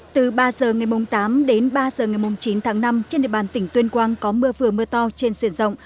từ ba giờ ngày tám đến ba giờ ngày chín tháng năm trên địa bàn tỉnh tuyên quang có mưa vừa mưa to trên diện rộng